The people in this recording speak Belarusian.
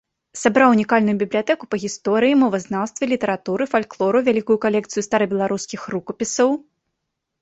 Сабраў унікальную бібліятэку па гісторыі, мовазнаўстве, літаратуры, фальклору, вялікую калекцыю старабеларускіх рукапісаў.